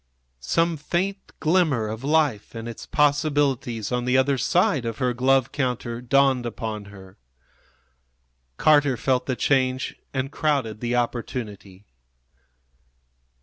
Some faint glimmer of life and its possibilities on the other side of her glove counter dawned upon her. Carter felt the change and crowded the opportunity.